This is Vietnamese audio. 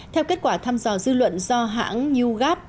theo kết quả thăm dò dư luận do hãng new gap